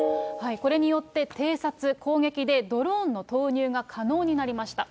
これによって、偵察、攻撃でドローンの投入が可能になりました。